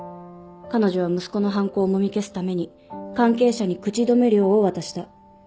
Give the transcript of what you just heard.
「彼女は息子の犯行をもみ消すために関係者に口止め料を渡した」